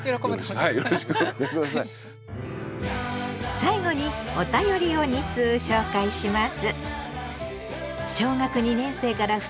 最後にお便りを２通紹介します。